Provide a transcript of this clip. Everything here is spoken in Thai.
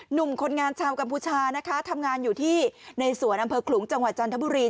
หนุ่มคนงานชาวกัมพูชานะคะทำงานอยู่ที่ในสวนอำเภอขลุงจังหวัดจันทบุรี